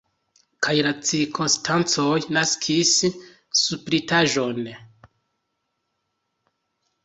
Kaj la cirkonstancoj naskis spritaĵon.